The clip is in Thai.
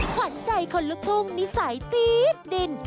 ฝันใจคนละกุ้งนิสัยตี๊บดิน